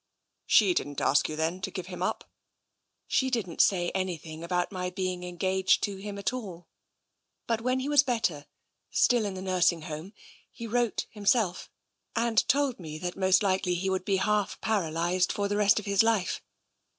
She didn't ask you, then, to give him up ?" She didn't say anything about my being engaged to him at all. But when he was better, still in the nursing home, he wrote himself, and told me that most likely he would be half paralysed for the rest of his life.